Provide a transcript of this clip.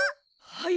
はい。